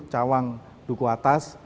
cawang duku atas